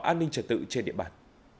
an ninh trật tự trên địa bàn